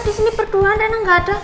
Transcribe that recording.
di sini pertuanan rena gak ada